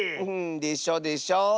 うんでしょでしょ？